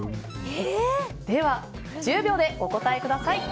では、１０秒でお答えください。